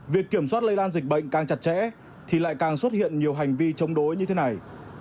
việc kiểm soát lây lan dịch bệnh càng chặt chẽ thì lại càng xuất hiện nhiều hành vi chống đối như thế này